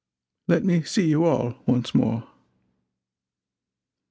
Let me see you all, once more."